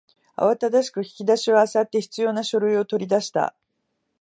慌ただしく引き出しを漁って必要な書類を取り出した